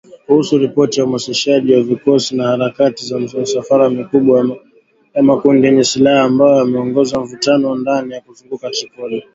Kuhusu ripoti ya uhamasishaji wa vikosi na harakati za misafara mikubwa ya makundi yenye silaha ambayo yameongeza mvutano ndani na kuzunguka Tripoli.